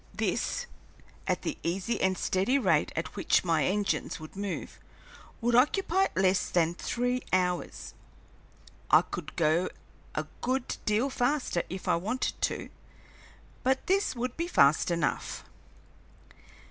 This, at the easy and steady rate at which my engines would move, would occupy less than three hours. I could go a good deal faster if I wanted to, but this would be fast enough.